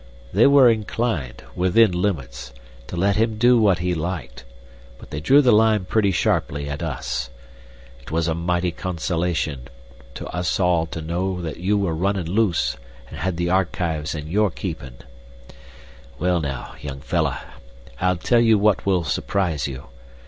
They were inclined, within limits, to let him do what he liked, but they drew the line pretty sharply at us. It was a mighty consolation to us all to know that you were runnin' loose and had the archives in your keepin'. "Well, now, young fellah, I'll tell you what will surprise you.